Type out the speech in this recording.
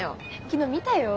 昨日見たよ。